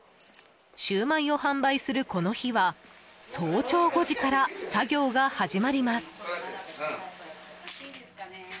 シュウマイを販売する、この日は早朝５時から作業が始まります。